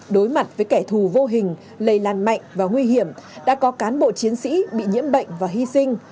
đối mặt với kẻ thù vô hình lây lan mạnh và nguy hiểm đã có cán bộ chiến sĩ bị nhiễm bệnh và hy sinh